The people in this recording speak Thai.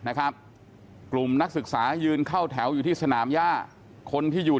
นะครับกลุ่มนักศึกษายืนเข้าแถวอยู่ที่สนามย่าคนที่อยู่